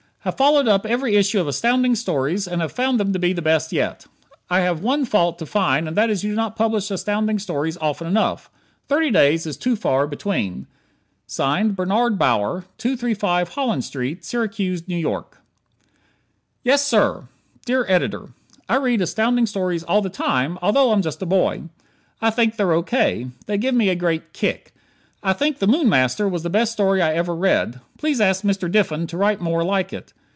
Have followed up every issue of Astounding Stories and have found them the best yet. I have one fault to find and that is you do not publish Astounding Stories often enough. Thirty days is too far between. Bernard Bauer, 235 Holland St., Syracuse, N. Y. Yes Sir! Dear Editor: I read Astounding Stories all the time, although I'm just a boy. I think they're O. K. They give me a great "kick." I think "The Moon Master" was the best story I ever read. Please ask Mr. Diffin to write more like it.